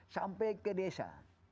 sampai ke desa